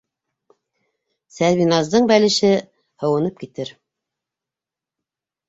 Сәрбиназдың бәлеше һыуынып китер...